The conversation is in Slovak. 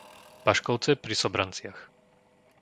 Baškovce pri Sobranciach